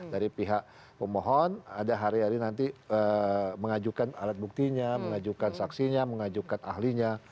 dari pihak pemohon ada hari hari nanti mengajukan alat buktinya mengajukan saksinya mengajukan ahlinya